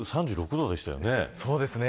原宿、３６度でしたよね。